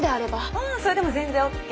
ああそれでも全然ＯＫ。